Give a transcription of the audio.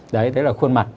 đấy đấy là khuôn mặt